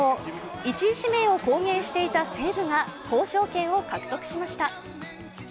１位指名を公言していた西武が交渉権を獲得しました。